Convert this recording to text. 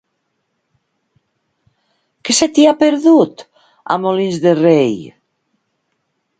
Què se t'hi ha perdut, a Molins de Rei?